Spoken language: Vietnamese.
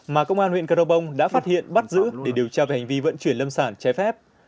mà công an huyện crobong đã phát hiện bắt giữ để điều tra về hành vi vận chuyển lâm sản trái phép